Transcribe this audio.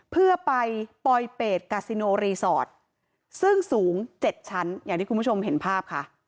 เพื่อไปปลอยเป็ดกาซิโนรีสอร์ทซึ่งสูง๗ชั้นอย่างที่คุณผู้ชมเห็นภาพค่ะ